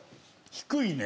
低いね。